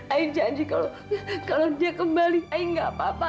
aku janji kalau dia kembali aku gak apa apa